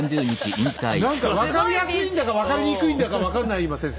何か分かりやすいんだか分かりにくいんだか分かんない今先生。